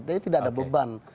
jadi tidak ada beban